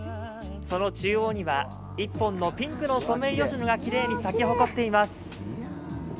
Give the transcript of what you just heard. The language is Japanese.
その中央には一本のピンクのソメイヨシノがきれいに咲き誇っています。